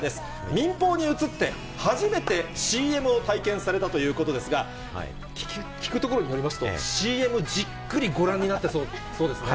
民放に移って、初めてＣＭを体験されたということですが、聞くところによりますと、ＣＭじっくりご覧になったそうですね。